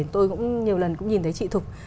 tôi cũng nhiều lần cũng nhìn thấy chị thục